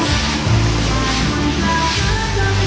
สุดท้ายสุดท้ายสุดท้าย